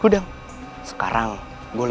buraya juga sendiri victoria